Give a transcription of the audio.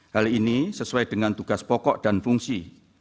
hal ini sesuai dengan tugas pokok dan fungsi